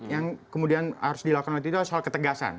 yang kemudian harus dilakukan oleh tito soal ketegasan